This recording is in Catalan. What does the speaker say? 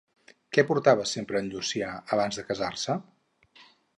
Què portava sempre en Llucià abans de casar-se?